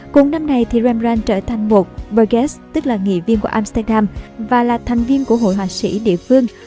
cùng năm này thì ramrand trở thành một vergest tức là nghị viên của amsterdam và là thành viên của hội họa sĩ địa phương